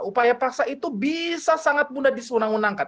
upaya paksa itu bisa sangat mudah disenang senangkan